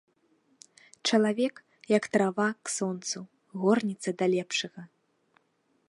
Чалавек, як трава к сонцу, горнецца да лепшага.